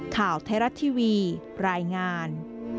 ข่าวไทยรัฐทีวีรายงาน